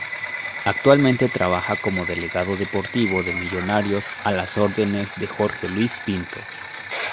Actualmente trabaja como delegado deportivo de Millonarios a las órdenes de Jorge Luis Pinto.